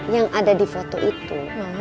yang ada di foto itu